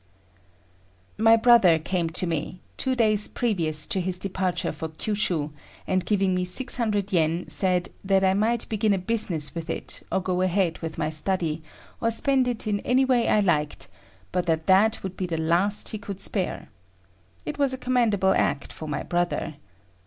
My brother came to me, two days previous to his departure for Kyushu, and giving me 600 yen, said that I might begin a business with it, or go ahead with my study, or spend it in any way I liked, but that that would be the last he could spare. It was a commendable act for my brother.